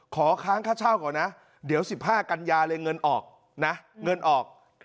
ค้างค่าเช่าก่อนนะเดี๋ยว๑๕กันยาเลยเงินออกนะเงินออก